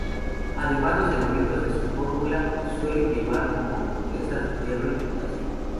Además de los elementos de su fórmula, suele llevar como impurezas: hierro y potasio.